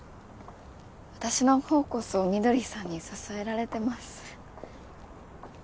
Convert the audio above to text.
私の方こそ翠さんに支えられてます。